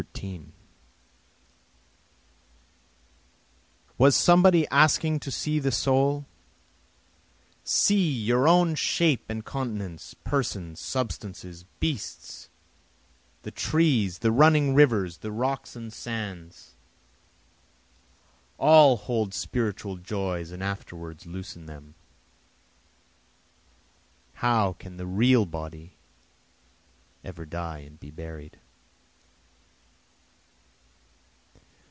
13 Was somebody asking to see the soul? See, your own shape and countenance, persons, substances, beasts, the trees, the running rivers, the rocks and sands. All hold spiritual joys and afterwards loosen them; How can the real body ever die and be buried?